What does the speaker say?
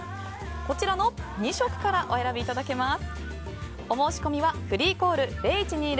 こちらの２色からお選びいただけます。